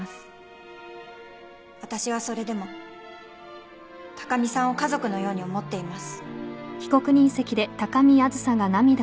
私はそれでも高見さんを家族のように思っています。